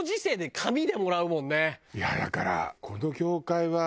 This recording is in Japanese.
いやだから。